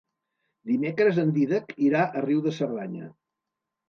Dimecres en Dídac irà a Riu de Cerdanya.